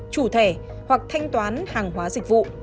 chủ thẻ hoặc thanh toán hàng hóa dịch vụ